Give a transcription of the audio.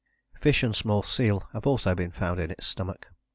" Fish and small seal have also been found in its stomach.